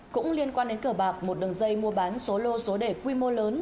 cũng liên quan đến cửa bạc một đường dây mua bán số lô số đề quy mô lớn